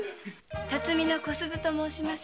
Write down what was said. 辰巳の小鈴と申します。